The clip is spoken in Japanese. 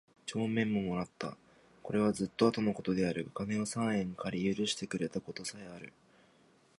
帳面も貰つた。是はずつと後の事であるが金を三円許り借してくれた事さへある。